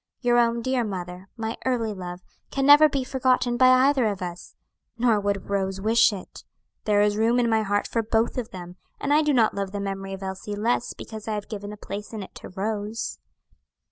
Your own dear mother my early love can never be forgotten by either of us. Nor would Rose wish it. There is room in my heart for both of them, and I do not love the memory of Elsie less because I have given a place in it to Rose."